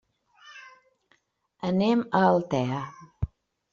Anem a Altea.